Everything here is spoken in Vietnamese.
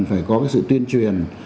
phải có cái sự tuyên truyền